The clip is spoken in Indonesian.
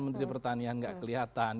menteri pertanian nggak kelihatan